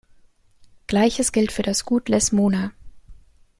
Gleiches gilt für das Gut Lesmona.